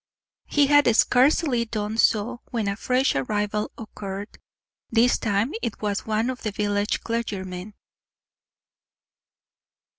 He had scarcely done so when a fresh arrival occurred. This time it was one of the village clergymen.